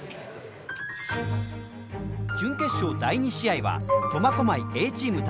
準決勝第２試合は苫小牧Ａチーム対